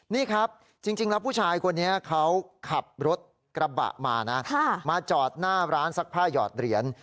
นี่ครับจริงแล้วผู้ชายคนนี้เขาขับรถกระบะมานะมาจอดหน้าร้านซักผ้าหยอดเหรียญ